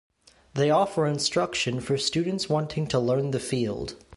They offer instruction for students wanting to learn the field.